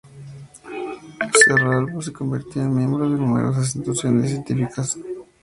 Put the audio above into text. Cerralbo se convirtió en miembro de numerosas instituciones científicas.